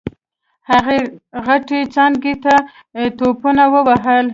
هغه غټې څانګې ته ټوپونه ووهل.